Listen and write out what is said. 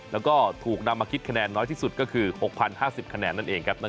แล้วก็ถูกนำมาคิดคะแนนน้อยที่สุดก็คือ๖๐๕๐คะแนนนั่นเองครับ